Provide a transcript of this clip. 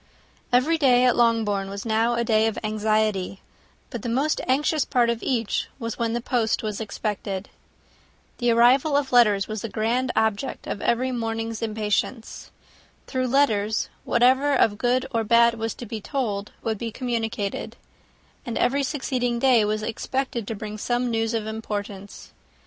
Every day at Longbourn was now a day of anxiety; but the most anxious part of each was when the post was expected. The arrival of letters was the first grand object of every morning's impatience. Through letters, whatever of good or bad was to be told would be communicated; and every succeeding day was expected to bring some news of importance.